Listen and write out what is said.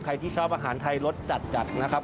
ใครที่ชอบอาหารไทยรสจัดจัดนะครับ